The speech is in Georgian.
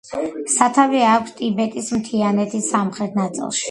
სათავე აქვს ტიბეტის მთიანეთის სამხრეთ ნაწილში.